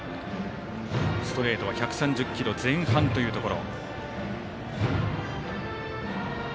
ストレートは１３０キロ前半というところ。